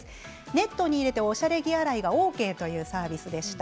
ネットに入れておしゃれ着洗いＯＫというサービスでした。